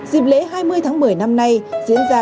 dịp lễ hai mươi tháng một mươi năm nay diễn ra